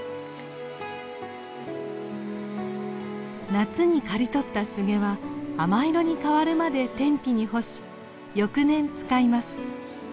夏に刈り取ったスゲは亜麻色に変わるまで天日に干し翌年使います。